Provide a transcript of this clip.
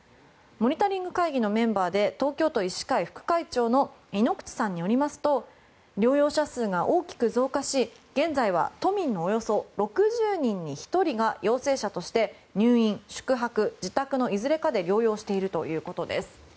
モニタリング会議のメンバーで東京都医師会副会長の猪口さんによりますと療養者数が大きく増加し現在は都民のおよそ６０人に１人が陽性者として入院、宿泊、自宅のいずれかで療養しているということです。